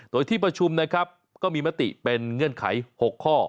โดยที่ประชุมนะครับก็มีมติเป็นเงื่อนไข๖ข้อ